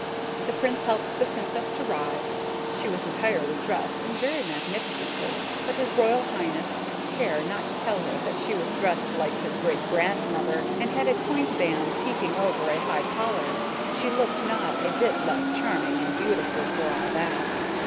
The Prince helped the Princess to rise; she was entirely dressed, and very magnificently, but his royal highness took care not to tell her that she was dressed like his great grandmother, and had a point band peeping over a high collar; she looked not a bit less charming and beautiful for all that.